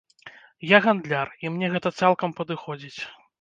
Я гандляр, і мне гэта цалкам падыходзіць.